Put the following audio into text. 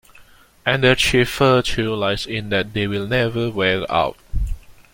And their chief virtue lies in that they will never wear out.